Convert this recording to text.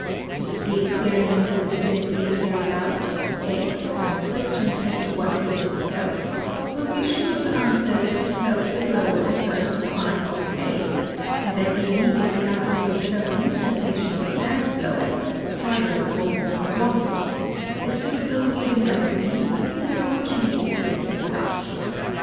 If the experiment is successfully carried out, X, when questioned as to what he has felt, will be sure to answer that he felt the blow and heard the cry of A and that he immediately afterwards felt a new sensation of that blow but harder or more prolonged; as to the blow given by B he has not noticed it as such.